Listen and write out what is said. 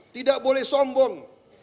tidak boleh sombong